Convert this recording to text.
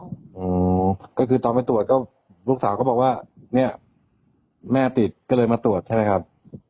โอ้โหก็คือตอนไปตรวจก็ลูกสาวก็บอกว่าเนี่ยแม่ติดก็เลยมาตรวจใช่ไหมครับ